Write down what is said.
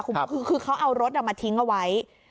คือเขาเอารถมาทิ้งเอาไว้